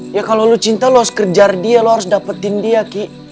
ya kalau lo cinta lo harus kejar dia lo harus dapetin dia ki